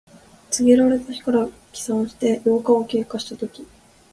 告げられた日から起算して八日を経過したとき。